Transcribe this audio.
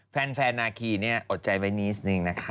แฟนนาคีเนี่ยอดใจไว้นิดนึงนะคะ